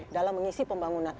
dalam mengisi pembangunan